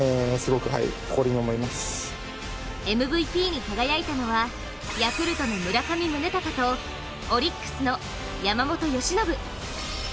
ＭＶＰに輝いたのはヤクルトの村上宗隆とオリックスの山本由伸。